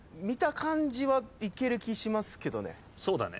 見た感じはいける気しますけどね。